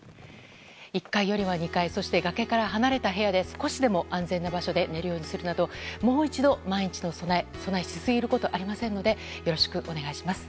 １階よりは２階そして崖から離れた部屋で少しでも安全な場所で寝るようにするなどもう一度、万が一の備えしすぎるに越したことはありませんのでよろしくお願いします。